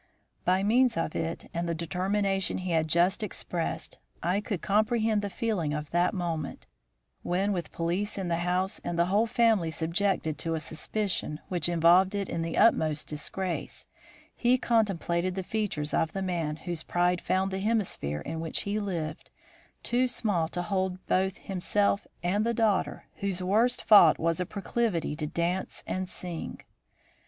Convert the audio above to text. By means of it and the determination he had just expressed, I could comprehend the feeling of that moment, when with police in the house and the whole family subjected to a suspicion which involved it in the utmost disgrace, he contemplated the features of the man whose pride found the hemisphere in which he lived too small to hold both himself and the daughter whose worst fault was a proclivity to dance and sing.